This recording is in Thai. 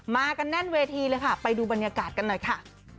กันแน่นเวทีเลยค่ะไปดูบรรยากาศกันหน่อยค่ะ